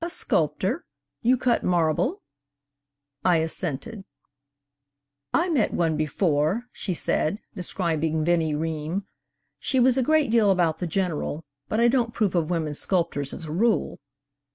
'A sculptor! You cut marble?' I assented. 'I met one before,' she said, describing Vinnie Ream. 'She was a great deal about the General, but I don't approve of women sculptors as a rule.'